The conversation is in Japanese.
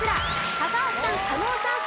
高橋さん加納さん